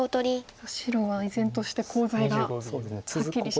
さあ白は依然としてコウ材がはっきりしない。